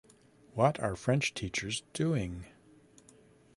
What are French teachers doing?